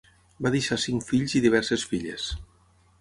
Va deixar cinc fills i diverses filles.